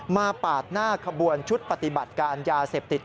ปาดหน้าขบวนชุดปฏิบัติการยาเสพติด